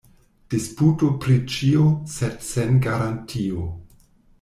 Disputu pri ĉio, sed sen garantio.